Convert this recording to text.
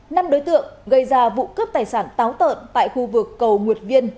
năm đối tượng gây ra vụ cướp tài sản táo tợn tại khu vực cầu nguyệt viên